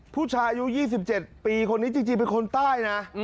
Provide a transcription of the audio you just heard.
ผู้ชายอายุ๒๗ปีคนนี้จริงเป็นคนใต้นะ